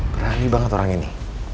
keren banget orang ini